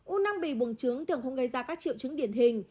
u năng bị buồng trứng tưởng không gây ra các triệu trứng điển hình